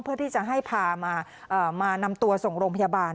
เพื่อที่จะให้พามานำตัวส่งโรงพยาบาล